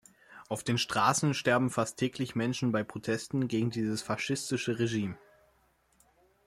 Auf den Straßen sterben fast täglich Menschen bei Protesten gegen dieses faschistische Regime.